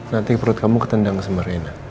nanti perut kamu ketendang sebenarnya